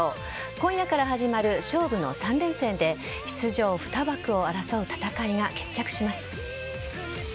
今夜から始まる勝負の３連戦で出場２枠を争う戦いが決着します。